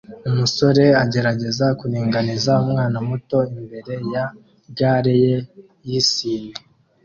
Umusore agerageza kuringaniza umwana muto imbere ya gare ye yisine